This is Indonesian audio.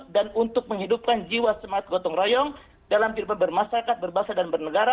dan untuk menghidupkan jiwa semangat gotong royong dalam kehidupan bermasyarakat berbahasa dan bernegara